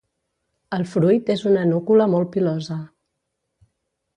El fruit és una núcula molt pilosa.